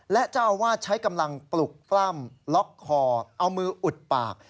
และเจ้าอาวาสใช้กำลังปลุกปล้ำล็อกคอเอามืออุดปาก